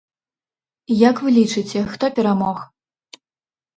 Як вы лічыце, хто перамог?